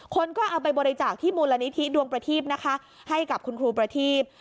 คนก็เอาไปบริจาคที่มูลนิธิดวงประทีพนะคะให้กับคุณครูประทีพ